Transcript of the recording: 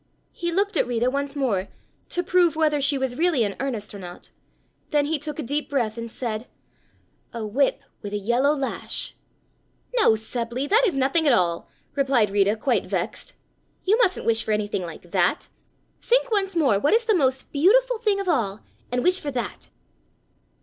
He looked at Rita once more to prove whether she was really in earnest or not, then he took a deep breath and said: "A whip with a yellow lash." "No, Seppli, that is nothing at all," replied Rita quite vexed. "You mustn't wish for anything like that. Think once more what is the most beautiful thing of all and wish for that."